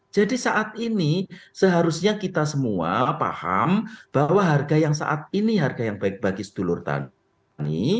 jadi saat ini seharusnya kita semua paham bahwa harga yang saat ini harga yang baik bagi sedulur tani